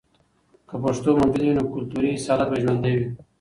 که پښتو موجوده وي، نو کلتوري اصالت به ژوندۍ وي.